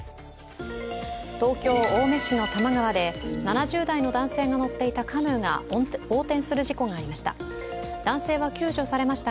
東京・青梅市の多摩川で７０代の男性が乗っていたカヌーが横転する事故がありました。